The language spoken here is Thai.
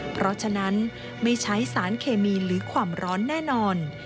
เพราะฉะนั้นไม่ใช้สารเคมีหรือความร้อนแน่นอน